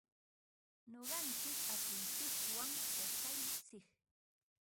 Nuqanchik apuntsikwan yachantsik.